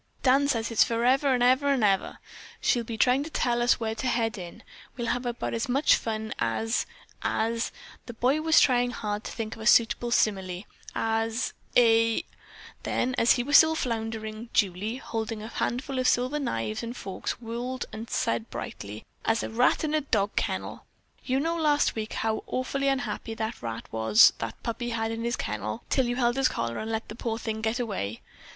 Dan says it's forever 'n ever 'n ever. She'll be trying to tell us where to head in. We'll have about as much fun as as (the boy was trying hard to think of a suitable simile) as a " Then as he was still floundering, Julie, holding a handful of silver knives and forks, whirled and said brightly, "as a rat in a dog kennel. You know last week how awful unhappy that rat was that puppy had in his kennel, till you held his collar and let the poor thing get away."